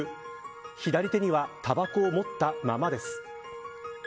左手にはたばこを持ったままです。